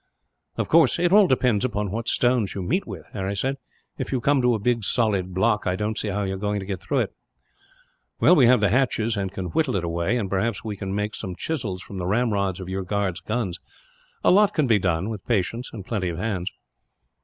"Of course, it all depends upon what stones you meet with," Harry said. "If you come to a big solid block, I don't see how you are going to get through it." "We have the hatchets, and can whittle it away; and perhaps we can make some chisels, from the ramrods of your guards' guns. A lot can be done, with patience and plenty of hands."